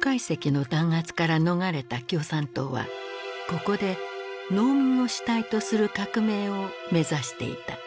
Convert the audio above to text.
介石の弾圧から逃れた共産党はここで農民を主体とする革命を目指していた。